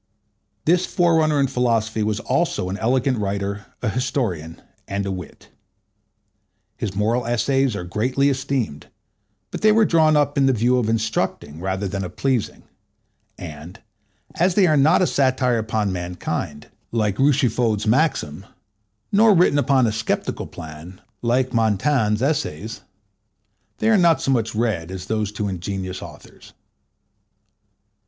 This forerunner in philosophy was also an elegant writers, an historian, and a wit. His moral essays are greatly esteemed, but they were drawn up in the view of instructing rather than of pleasing; and, as they are not a satire upon mankind, like Rochefoucauld's "Maxims," nor written upon a sceptical plan, Like Montaigne's "Essays," they are not so much read as those two ingenious authors.